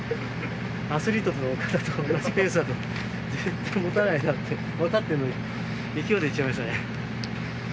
アスリートの方と同じペースだと、絶対もたないなって分かってるのに、勢いでいっちゃいましたね。